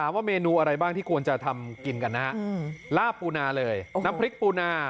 ว่าเมนูอะไรบ้างที่ควรจะทำกินกันนะฮะลาบปูนาเลยน้ำพริกปูนา